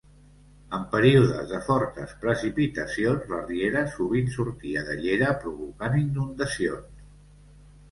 En períodes de fortes precipitacions la riera sovint sortia de llera provocant inundacions.